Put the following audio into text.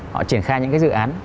họ triển khai những cái dự án